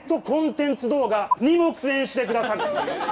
コンテンツ動画にも出演してくださる！